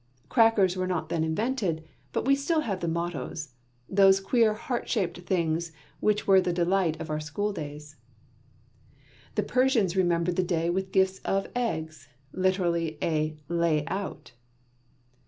Crackers were not then invented, but we still have the mottoes those queer heart shaped things which were the delight of our school days. The Persians remember the day with gifts of eggs literally a "lay out!"